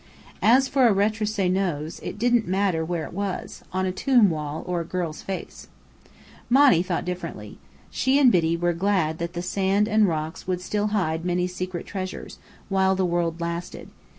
As for a retroussé nose, it didn't matter where it was, on a tomb wall or on a girl's face. Monny thought differently. She and Biddy were glad that the sand and rocks would still hide many secret treasures, while the world lasted.